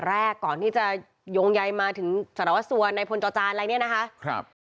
ตั้งแต่แรกก่อนที่จะโยงใหญ่มาถึงสรรวจส่วนในพลตราจารย์อะไรเนี่ยนะคะ